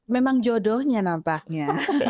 memang jodohnya nampaknya